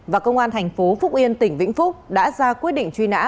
và công an tp phúc yên tỉnh vĩnh phúc đã ra quyết định truy nã